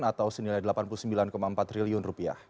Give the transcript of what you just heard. atau senilai rp delapan puluh sembilan empat triliun rupiah